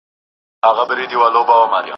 هغوی ډاډه کيږي چې د کلتورونو توافق شتون لري.